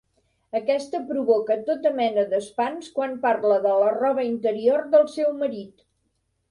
Aquesta provoca tota mena d'espants quan parla de la roba interior del seu marit.